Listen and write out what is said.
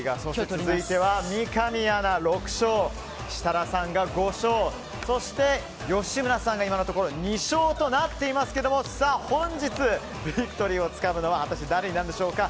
続いては三上アナ６勝設楽さんが５勝そして、吉村さんが今のところ２勝となっていますが本日、ビクトリーをつかむのは果たして誰になるんでしょうか。